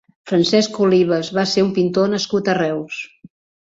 Francesc Olives va ser un pintor nascut a Reus.